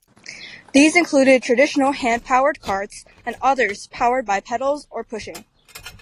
These included traditional hand-powered carts and others powered by pedals or pushing.